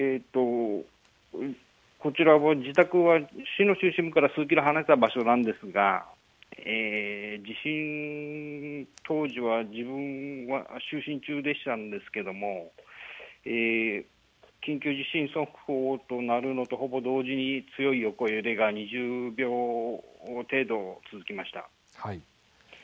こちら、自宅は市の中心部から数キロ離れた場所なんですが、地震当時は自分は就寝中でしたんですけども、緊急地震速報が鳴るのとほぼ同時に、強い横揺れが２０秒程度続きました。